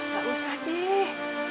gak usah deh